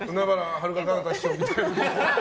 はるか・かなた師匠みたいに。